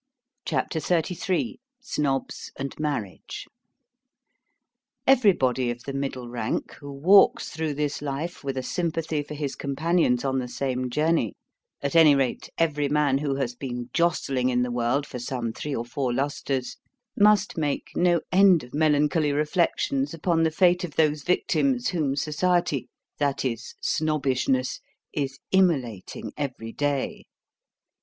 CHAPTER XXXIII SNOBS AND MARRIAGE Everybody of the middle rank who walks through this life with a sympathy for his companions on the same journey at any rate, every man who has been jostling in the world for some three or four lustres must make no end of melancholy reflections upon the fate of those victims whom Society, that is, Snobbishness, is immolating every day.